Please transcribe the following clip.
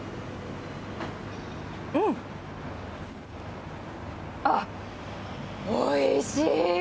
うん、あっ、おいしい！